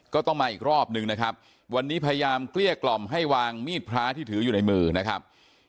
ก็ต้องมาอีกรอบนึงนะครับวันนี้พยายามเกลี้ยกล่อมให้วางมีดพระที่ถืออยู่ในมือนะครับ